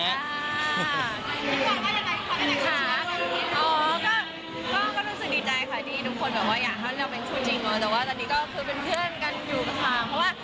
ก็ตอนนี้ก็เป็นเพื่อนกันคุยกันศึกษากันอยู่ครับ